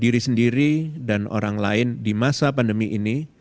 diri sendiri dan orang lain di masa pandemi ini